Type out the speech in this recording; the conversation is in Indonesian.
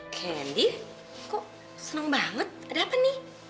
candy kok seneng banget ada apa nih